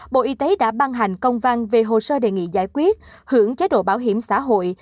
bộ y tế đã ban hành công văn về hồ sơ đề nghị giải quyết hưởng chế độ bảo hiểm xã hội